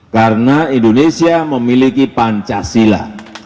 karena indonesia memiliki pancasila